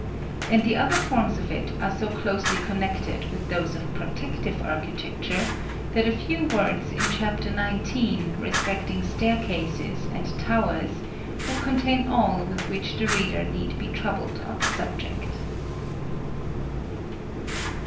and the other forms of it are so closely connected with those of protective architecture, that a few words in Chap. XIX. respecting staircases and towers, will contain all with which the reader need be troubled on the subject.